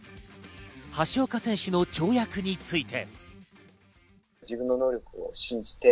橋岡選手の跳躍について。